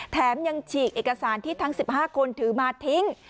แถมยังฉีกเอกสารที่ทั้ง๑๕คนถือมาทิ้ง